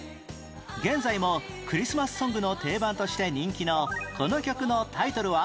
現在もクリスマスソングの定番として人気のこの曲のタイトルは？